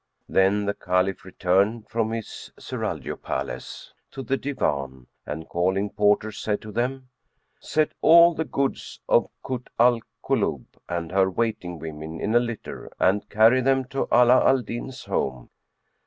Then the Caliph returned from his serraglio palace to the Divan; and, calling porters, said to them, "Set all the goods of Kut al Kulub and her waiting women in a litter, and carry them to Ala al Din's home."